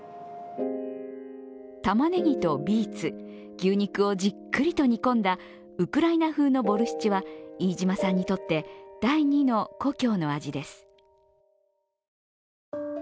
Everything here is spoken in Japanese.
玉ねぎとビーツ、牛肉をじっくりと煮込んだウクライナ風のボルシチは飯島さんにとって第２の故郷の味です。